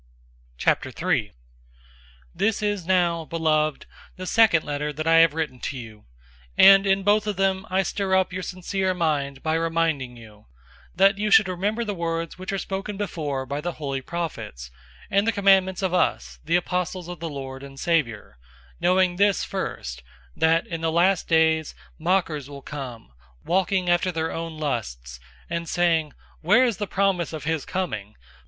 003:001 This is now, beloved, the second letter that I have written to you; and in both of them I stir up your sincere mind by reminding you; 003:002 that you should remember the words which were spoken before by the holy prophets, and the commandments of us, the apostles of the Lord and Savior: 003:003 knowing this first, that in the last days mockers will come, walking after their own lusts, 003:004 and saying, "Where is the promise of his coming?